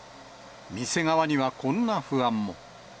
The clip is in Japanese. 店側にはこんな不安も。